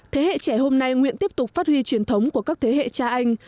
thế hệ trẻ hôm nay nguyện tiếp tục phát huy truyền thống của các thế hệ cha anh